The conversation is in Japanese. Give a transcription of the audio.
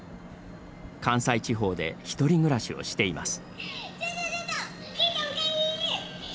関西地方で１人暮らしをしています。